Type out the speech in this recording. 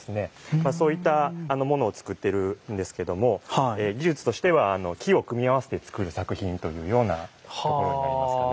そういった物を作っているんですけども技術としては木を組み合わせて作る作品というようなところになりますかね。